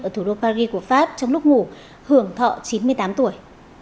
ở thủ đô paris của pháp trong lúc ngủ hưởng thọ chín mươi tám tuổi